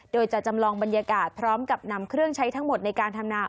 โดยจะจำลองบรรยากาศพร้อมกับนำเครื่องใช้ทั้งหมดในการทำนา